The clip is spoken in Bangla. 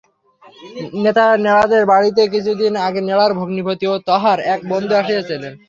নেড়াদের বাড়িতে কিছুদিন আগে নেড়ার ভগ্নীপতি ও তঁহার এক বন্ধু আসিয়াছিল।